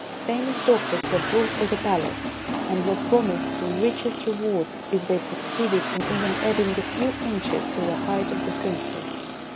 Famous doctors were brought to the palace, and were promised the richest rewards if they succeeded in even adding a few inches to the height of the Princess.